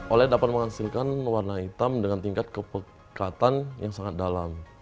oled dapat menghasilkan warna hitam dengan tingkat kepekatan yang sangat dalam